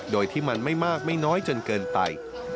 โดยที่มันไม่มากไม่น้อยจนเกินไป